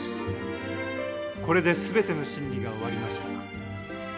これで全ての審理が終わりました。